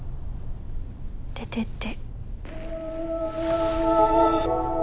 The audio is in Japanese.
出てって。